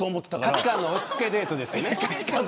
価値観の押し付けデートですよね。